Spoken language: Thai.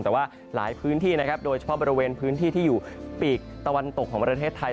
แต่ว่าหลายพื้นที่นะครับโดยเฉพาะบริเวณพื้นที่ที่อยู่ปีกตะวันตกของประเทศไทย